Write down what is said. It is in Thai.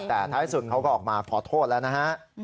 แต่ท้ายสุดเขาก็ออกมาขอโทษแล้วนะฮะ